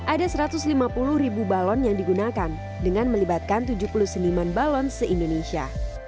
ada satu ratus lima puluh ribu balon yang digunakan dengan melibatkan tujuh puluh seniman balon se indonesia